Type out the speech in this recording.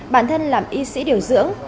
bản thân làm y sĩ điều dưỡng